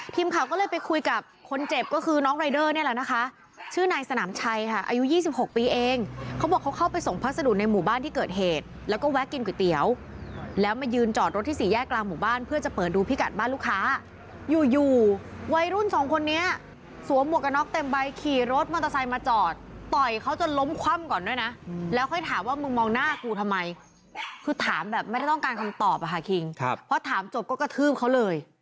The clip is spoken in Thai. ทีมข่าวก็เลยไปคุยกับคนเจ็บก็คือน้องรายเดอร์เนี่ยแหละนะคะชื่อนายสนามชัยค่ะอายุ๒๖ปีเองเขาบอกเขาเข้าไปส่งพัสดุในหมู่บ้านที่เกิดเหตุแล้วก็แวะกินก๋วยเตี๋ยวแล้วมายืนจอดรถที่๔แยกกลางหมู่บ้านเพื่อจะเปิดดูพิกัดบ้านลูกค้าอยู่วัยรุ่น๒คนนี้สวมบวกกับนอกเต็มใบขี่รถมอเตอร์ไซค์มาจอด